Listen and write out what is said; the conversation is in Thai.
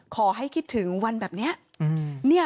ขอให้คิดถึงวันแบบนี้